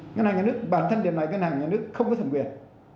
ngân hàng nhà nước bản thân điều này ngân hàng nhà nước không có thẩm quyền